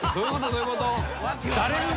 どういうこと？